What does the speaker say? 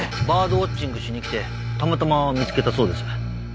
バードウォッチングしに来てたまたま見つけたそうです。